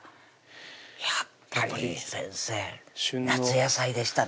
やっぱり先生夏野菜でしたね